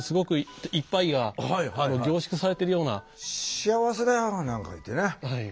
幸せだよなんか言ってね。